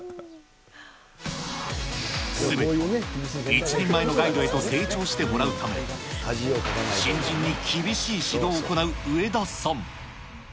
すべては一人前のガイドへと成長してもらうため、新人に厳しい指導を行う植田さん。